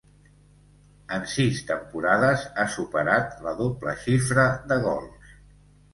En sis temporades ha superat la doble xifra de gols.